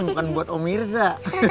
bukan buat om mirza